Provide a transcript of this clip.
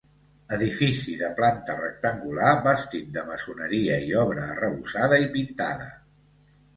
Edifici de planta rectangular, bastit de maçoneria i obra arrebossada i pintada.